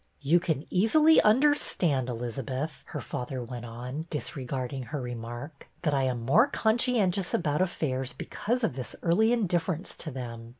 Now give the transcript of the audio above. You can easily understand, Elizabeth," her father went on, disregarding her remark, that I am more conscientious about affairs because of this early indifference to them.